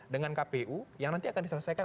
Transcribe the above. dengan kpu yang nanti akan diselesaikan